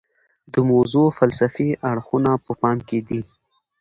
د موضوع فلسفي اړخونه په پام کې دي.